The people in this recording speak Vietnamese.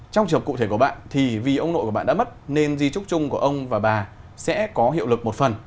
trong trường hợp cụ thể của bạn thì vì ông nội của bạn đã mất nên di trúc chung của ông và bà sẽ có hiệu lực một phần